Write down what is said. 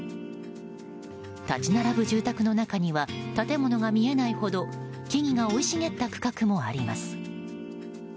立ち並ぶ住宅の中には建物が見えないほど木々が生い茂った区画もあります。